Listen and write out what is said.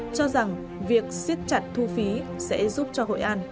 cho rằng việc siết chặt thu phí sẽ giúp cho hội an